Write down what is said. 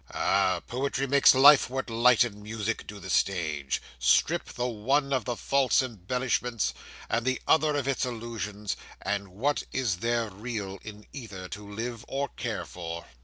'Ah! poetry makes life what light and music do the stage strip the one of the false embellishments, and the other of its illusions, and what is there real in either to live or care for?